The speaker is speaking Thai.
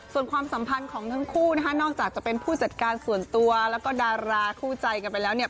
ส่วนความสัมพันธ์ของทั้งคู่นะคะนอกจากจะเป็นผู้จัดการส่วนตัวแล้วก็ดาราคู่ใจกันไปแล้วเนี่ย